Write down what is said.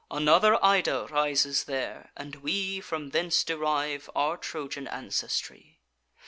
Another Ida rises there, and we From thence derive our Trojan ancestry.